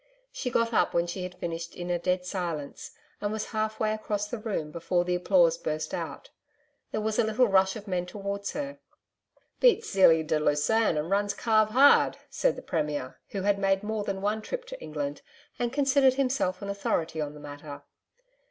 She got up when she had finished in a dead silence and was half way across the room before the applause burst out. There was a little rush of men towards her. 'Beats Zelie de Lussan and runs Calve hard,' said the Premier who had made more than one trip to England and considered himself an authority in the matter.